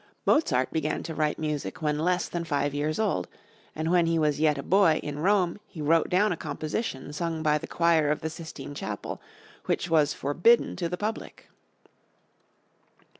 Mozart began to write music when less than five years old, and when he was yet a boy, in Rome, he wrote down a composition, sung by the choir of the Sistine Chapel, which was forbidden to the public.